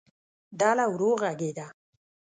ډله ورو غږېده.